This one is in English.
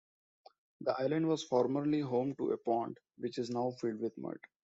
The island was formerly home to a pond which is now filled with mud.